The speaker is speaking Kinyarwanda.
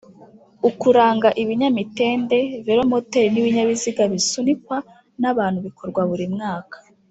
Ukuranga ibinyamitende, velomoteri n'ibinyabiziga bisunikwa n'abantu bikorwa buri mwaka